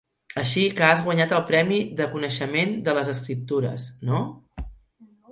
Així que has guanyat el Premi de coneixement de les escriptures, no?